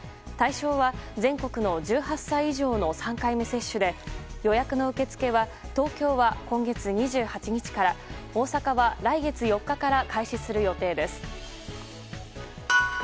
対象は全国の１８歳以上の３回目接種で予約の受付は東京は今月２８日から大阪は来月４日から開始する予定です。